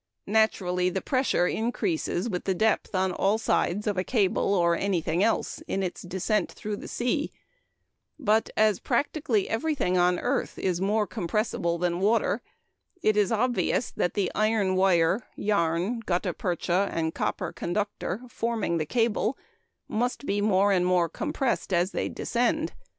Naturally the pressure increases with the depth on all sides of a cable (or anything else) in its descent through the sea, but, as practically everything on earth is more compressible than water, it is obvious that the iron wire, yarn, gutta percha, and copper conductor, forming the cable, must be more and more compressed as they descend.